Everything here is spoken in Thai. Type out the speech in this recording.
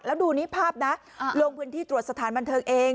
แล้วดูนี่ภาพนะลงพื้นที่ตรวจสถานบันเทิงเอง